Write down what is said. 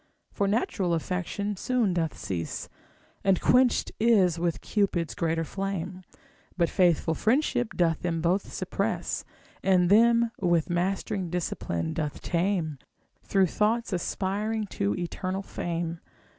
For natural affection soon doth cease, And quenched is with Cupid's greater flame; But faithful friendship doth them both suppress, And them with mastering discipline doth tame, Through thoughts aspiring to eternal fame.